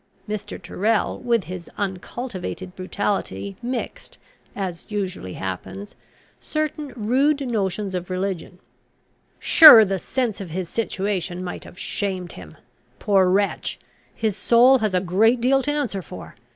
[Mr. Tyrrel with his uncultivated brutality mixed, as usually happens, certain rude notions of religion.] Sure the sense of his situation might have shamed him. Poor wretch! his soul has a great deal to answer for.